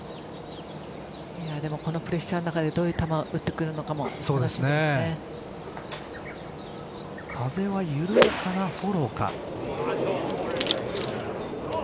このプレッシャーの中でどういう球打ってくるのかも風は緩やかなフォローか。